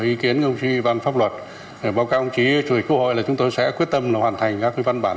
ý kiến của ủy ban pháp luật báo cáo ông chí chủ yếu của quốc hội là chúng tôi sẽ quyết tâm hoàn thành các văn bản